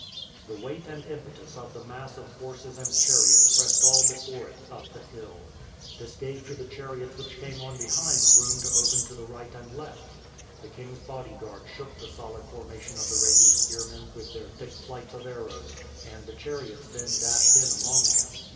The weight and impetus of the mass of horses and chariots pressed all before it up the hill. This gave to the chariots which came on behind room to open to the right and left. The king's bodyguard shook the solid formation of the Rebu spearmen with their thick flights of arrows, and the chariots then dashed in among them.